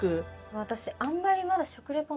私。